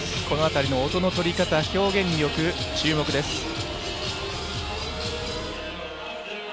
この辺りの音の取り方表現力、注目です。